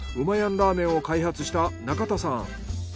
ラーメンを開発した仲田さん。